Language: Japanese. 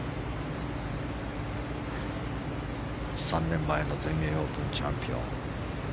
３年前の全英オープンチャンピオン。